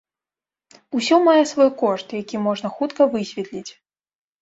Усё мае свой кошт, які можна хутка высветліць.